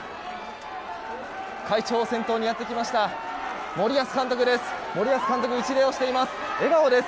会長を先頭にやってきました森保監督が一礼をしています。